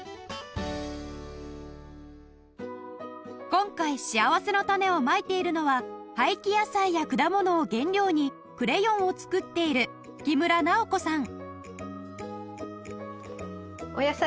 今回しあわせのたねをまいているのは廃棄野菜や果物を原料にクレヨンを作っている木村尚子さん